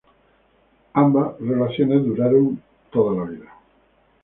Ambas relaciones duraron para toda la vida.